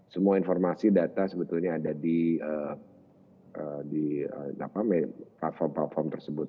semua informasi data sebetulnya ada di platform platform tersebut